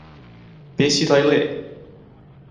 Be sydd o'i le?